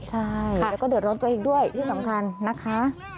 ใช่แล้วก็เดือดร้อนตัวเองด้วยที่สำคัญนะคะ